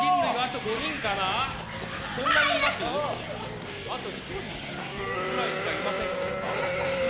残る人類はあと１人ぐらいしかいませんか。